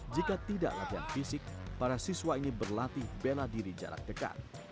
jika tidak latihan fisik para siswa ini berlatih bela diri jarak dekat